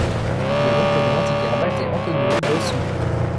Il est l'oncle de l'antiquaire maltais Antonio Bosio.